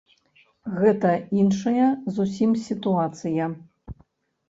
Гэта іншая зусім сітуацыя.